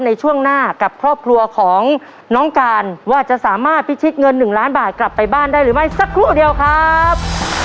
ในช่วงหน้ากับครอบครัวของน้องการว่าจะสามารถพิชิตเงิน๑ล้านบาทกลับไปบ้านได้หรือไม่สักครู่เดียวครับ